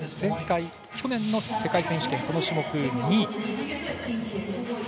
前回、去年の世界選手権この種目２位。